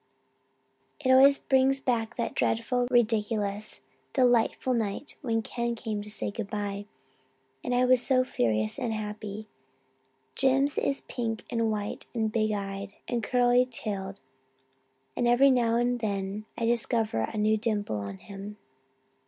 It always brings back that dreadful, ridiculous, delightful night when Ken came to say good bye, and I was so furious and happy. Jims is pink and white and big eyed and curly haired and every now and then I discover a new dimple in him.